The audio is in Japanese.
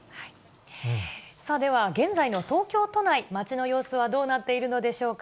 では現在の東京都内、街の様子はどうなっているのでしょうか。